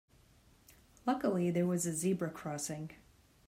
Luckily there was a zebra crossing.